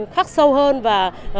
khắc sâu hơn và